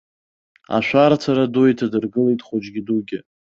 Ашәарҭа ду иҭадыргылеит хәыҷгьы дугьы.